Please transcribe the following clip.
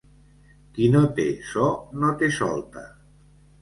Qui no té so, no té solta.